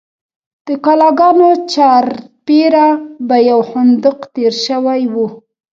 د کلاګانو چارپیره به یو خندق تیر شوی و.